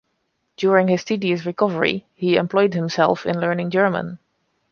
During his tedious recovery, he employed himself in learning German.